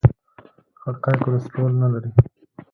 خټکی کولیسټرول نه لري.